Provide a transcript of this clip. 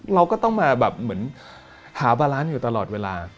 เราก็ต้องมาแบบเหมือนหาบาลานซ์อยู่ตลอดเวลา